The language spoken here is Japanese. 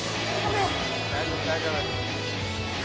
大丈夫大丈夫。